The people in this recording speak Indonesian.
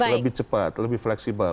lebih cepat lebih fleksibel